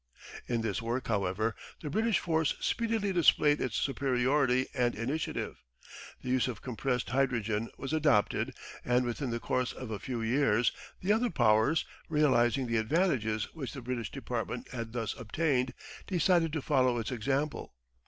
In this work, however, the British force speedily displayed its superiority and initiative. The use of compressed hydrogen was adopted, and within the course of a few years the other Powers, realising the advantages which the British department had thus obtained, decided to follow its example.